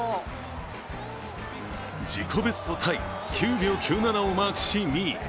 自己ベストタイ９秒９７をマークし２位。